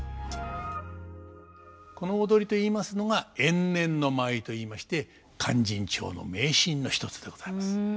この踊りといいますのが延年の舞といいまして「勧進帳」の名シーンの一つでございます。